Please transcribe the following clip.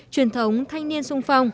truyền thống thanh niên sung phong